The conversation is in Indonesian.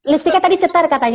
lipsticknya tadi cetar katanya